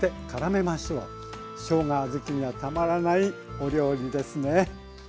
しょうが好きにはたまらないお料理ですね。